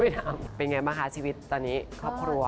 เป็นอย่างไรบ้างคะชีวิตตอนนี้ครอบครัว